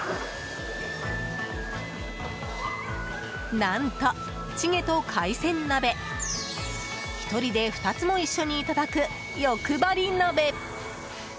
何とチゲと海鮮鍋１人で２つも一緒にいただく欲張り鍋。